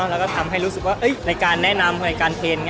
แล้วก็ทำให้รู้สึกว่ารายการแนะนำรายการเทรนด์